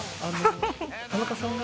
田中さんが。